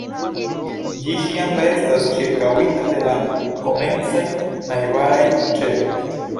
Ĝi ĉiam restas ĉirkaŭita de la komencaj najbaraj ĉeloj.